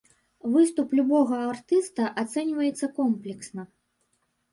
Выступ любога артыста ацэньваецца комплексна.